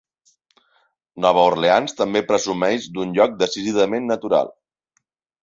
Nova Orleans també presumeix d'un lloc decididament natural.